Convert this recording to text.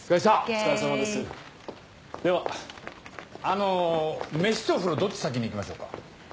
あの飯と風呂どっち先に行きましょうか。